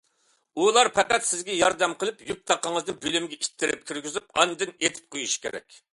ئۇلار پەقەت سىزگە ياردەم قىلىپ يۈك- تاقىڭىزنى بۆلۈمگە ئىتتىرىپ كىرگۈزۈپ ئاندىن ئېتىپ قويۇشى كېرەك.